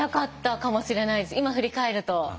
今振り返ると。